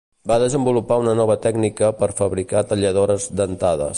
Va desenvolupar una nova tècnica per fabricar talladores dentades.